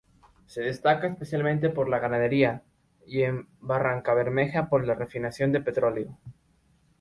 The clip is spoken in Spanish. Se destaca especialmente por la ganadería y, en Barrancabermeja, por la refinación de petróleo.